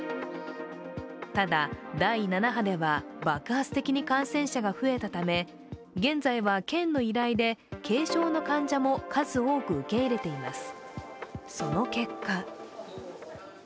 ただ、第７波では、爆発的に感染者が増えたため、現在は県の依頼で軽症の患者も数多く受け入れています。